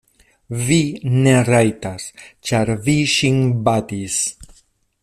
Vi ne rajtas, ĉar vi ŝin batis.